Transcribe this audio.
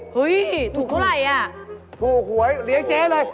โปรดติดตามตอนต่อไป